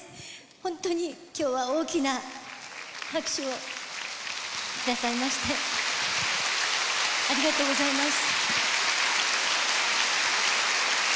本当に今日は大きな拍手を下さいましてありがとうございます。